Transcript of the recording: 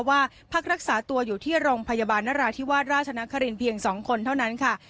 พักรักษาตัวอยู่ที่โรงพยาบาลนราธิวาสราชนครินเพียง๒คนเท่านั้นค่ะ